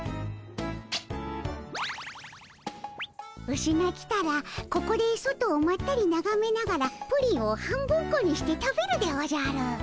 ウシが来たらここで外をまったりながめながらプリンを半分こにして食べるでおじゃる。